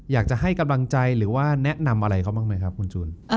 อยากจะให้กำลังใจหรือว่าแนะนำอะไรเขาบ้างไหมครับคุณจูน